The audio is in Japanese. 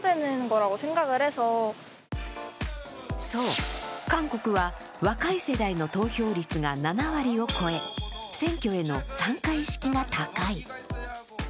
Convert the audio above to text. そう、韓国は若い世代の投票率が７割を超え、選挙への参加意識が高い。